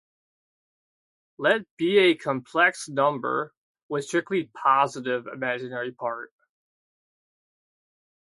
Let be a complex number with strictly positive imaginary part.